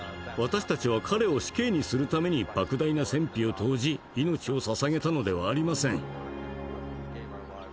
私たちは彼を死刑にするために莫大な戦費を投じ命をささげたのではありません。